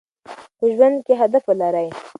په ژوند کې هدف ولرئ.